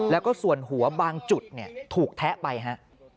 แล้วก็ส่วนหัวบางจุดถูกแทะไปฮะ